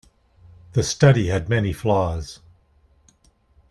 The study had many flaws.